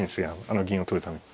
あの銀を取るために。